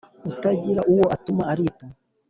Utagira uwo atuma arituma.